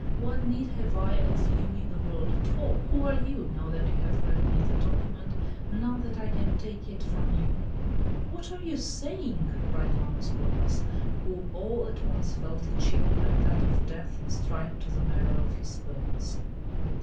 What need have I of you in the world at all? Who are you, now that you have read me that document, now that I can take it from you?" "What are you saying?" cried Manos gordas, who all at once felt a chill, like that of death, strike to the marrow of his bones.